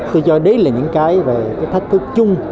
tôi cho đây là những cái thách thức chung